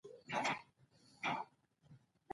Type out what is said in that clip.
بېنډۍ د ماشوم وده کې مرسته کوي